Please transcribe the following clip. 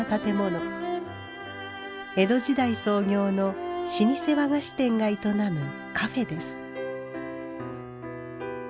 江戸時代創業の老舗和菓子店が営むカフェです。